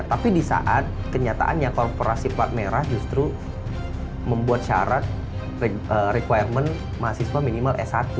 tapi di saat kenyataannya korporasi plat merah justru membuat syarat requirement mahasiswa minimal s satu